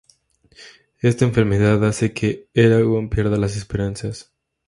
Esta enfermedad hace que Eragon pierda las esperanzas.